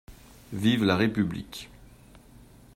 Vive la République!